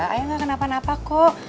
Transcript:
ayah gak kenapa napa kok